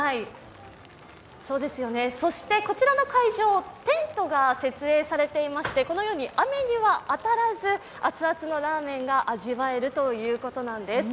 こちらの会場、テントが設営されていまして、このように雨には当たらず、熱々のラーメンが味わえるということなんです。